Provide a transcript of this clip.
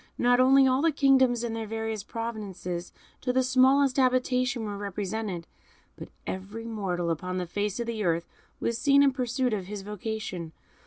Not only all the kingdoms and their various provinces, to the smallest habitation, were represented; but every mortal upon the face of the earth was seen in pursuit of his vocation.